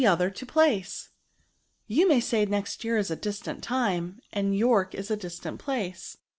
other to place ; you may say next year is a distant time, and York is a distant place."